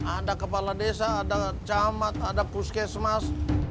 ada kepala desa ada camat ada puskesmas